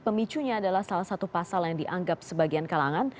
pemicunya adalah salah satu pasal yang dianggap sebagian kalangan